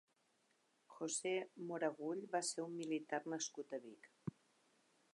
José Moragull va ser un militar nascut a Vic.